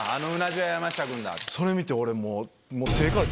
それ見て俺もう。